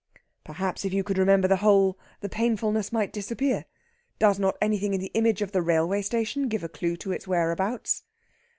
"Perhaps if you could remember the whole the painfulness might disappear. Does not anything in the image of the railway station give a clue to its whereabouts?"